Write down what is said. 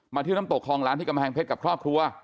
ที่น้ำตกคลองล้านที่กำแพงเพชรกับครอบครัว